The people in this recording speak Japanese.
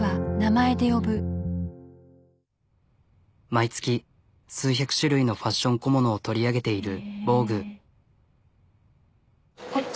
毎月数百種類のファッション小物を取り上げている「ＶＯＧＵＥ」。